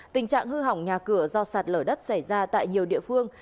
tình trạng hư hỏng nhà cửa do sạt lở đất xảy ra tại nhiều địa phương